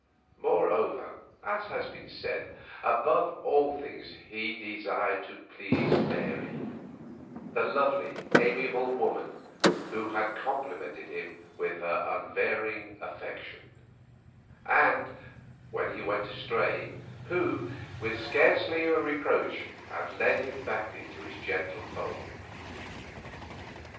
Moreover, as has been said, above all things he desired to please Mary, the lovely, amiable woman who had complimented him with her unvarying affection; and—when he went astray—who, with scarcely a reproach, had led him back into its gentle fold.